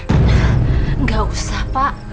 tidak perlu pak